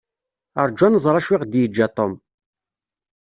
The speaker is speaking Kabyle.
Rju ad nẓer acu i ɣ-d-yeǧǧa Tom.